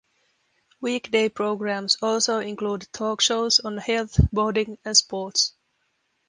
Weekday programs also include talk shows on health, boating, and sports.